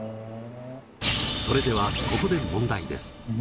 それではここで問題です！